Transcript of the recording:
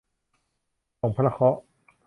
ส่งพระเคราะห์